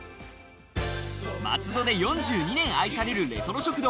松戸で４２年愛されるレトロ食堂